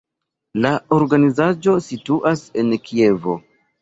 La organizaĵo situas en Kievo.